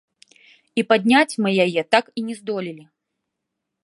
І падняць мы яе так і не здолелі.